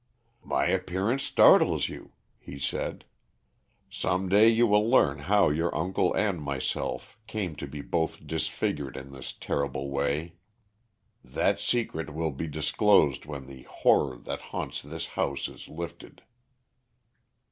"My appearance startles you," he said. "Some day you will learn how your uncle and myself came to be both disfigured in this terrible way. That secret will be disclosed when the horror that haunts this house is lifted."